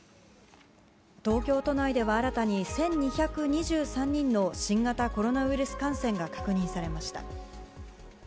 東京都内では新たに１２２３人の新型コロナウイルス感染が確認されました。